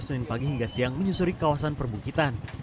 senin pagi hingga siang menyusuri kawasan perbukitan